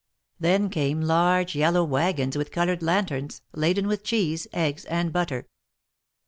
Then came large yellow wagons with colored lanterns, laden with cheese, eggs and butter.